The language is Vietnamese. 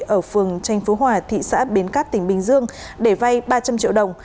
ở phường tranh phú hòa thị xã bến cát tỉnh bình dương để vay ba trăm linh triệu đồng